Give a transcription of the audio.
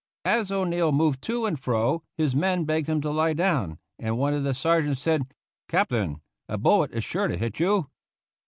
As O'Neill moved to and fro, his men begged him to lie down, and one of the sergeants said, " Cap tain, a bullet is sure to hit you."